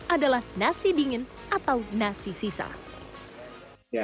adalah nasi dingin atau nasi sisa